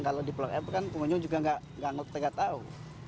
kalau di blok f kan pengunjung juga gak tau